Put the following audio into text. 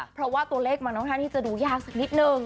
เพราะว่าตัวเลขมันค่อนข้างที่จะดูยากสักนิดนึง